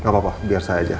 gak apa apa biar saya aja